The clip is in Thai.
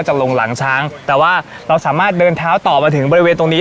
จะลงหลังช้างแต่ว่าเราสามารถเดินเท้าต่อมาถึงบริเวณตรงนี้